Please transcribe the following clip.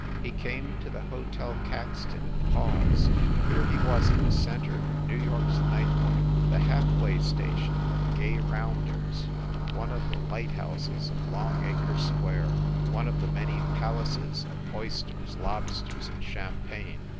He came to the Hotel Caxton and paused. Here he was at the center of New York s night life, the half way station of gay rounders, one of the light houses of Longacre Square, one of the many pal aces of oysters, lobsters and champagne.